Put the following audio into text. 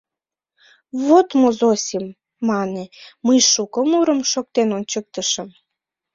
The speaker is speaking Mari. — Вот мо, Зосим, — мане, — мый шуко мурым шоктен ончыктышым.